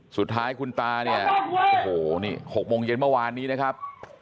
สุดท้ายคุณตาเนี่ยโอ้โหนี่๖โมงเย็นเมื่อวานนี้นะครับ